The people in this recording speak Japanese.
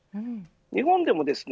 日本でもですね